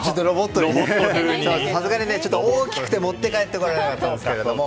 さすがに大きくて持って帰ってこれなかったですが。